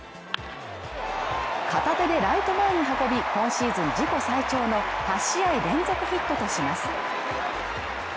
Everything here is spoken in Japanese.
片手でライト前に運び今シーズン自己最長の８試合連続ヒットとします。